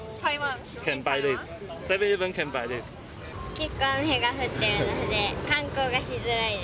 結構雨が降っているので、観光がしづらいです。